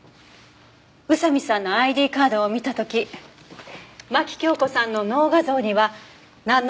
宇佐見さんのＩＤカードを見た時牧京子さんの脳画像にはなんの反応も見られなかったの。